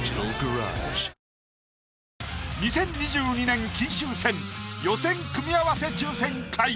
２０２２年金秋戦予選組み合わせ抽選会。